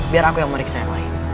biar aku yang meriksa yang lain